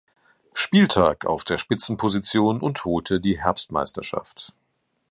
Spieltag auf der Spitzenposition und holte die Herbstmeisterschaft.